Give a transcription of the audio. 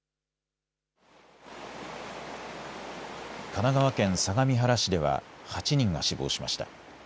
神奈川県相模原市では８人が死亡しました。